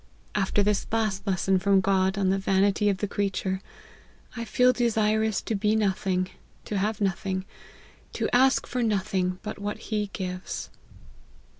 After this last lesson from God on the vanity of the creature, I feel de sirous to be nothing, to have nothing, to ask for nothing, but what he gives."